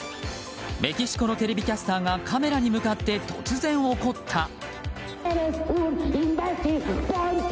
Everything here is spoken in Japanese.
メキシコのテレビキャスターがカメラに向かって突然怒った。